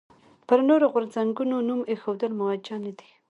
پر نورو غورځنګونو نوم ایښودل موجه نه دي.